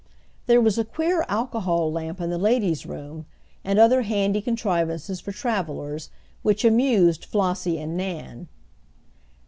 There was a queer alcohol lamp in the ladies room, and other handy contrivances for travelers, which amused Flossie and Nan.